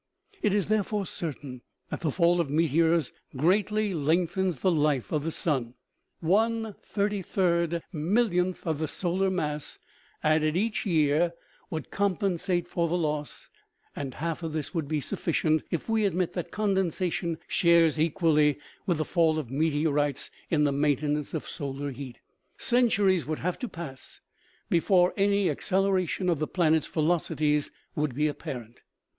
It is therefore certain that the fall of meteors greatly lengthens the life of the sun. One thirty third mill 276 OMEGA. ionth of the solar mass added each year would com pensate for the loss, and half of this would be suffi cient if we admit that condensation shares equally with the fall of meteorites in the maintenance of solar heat ; centuries would have to pass before any acceleration of the planets' velocities would be apparent.